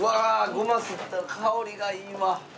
ゴマすったら香りがいいわ。